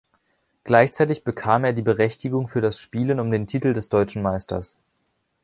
Gleichzeitig bekam er die Berechtigung für das Spielen um den Titel des Deutschen Meisters.